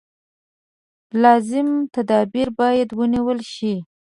لازم تدابیر باید ونېول شي.